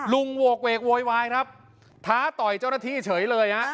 โหกเวกโวยวายครับท้าต่อยเจ้าหน้าที่เฉยเลยฮะ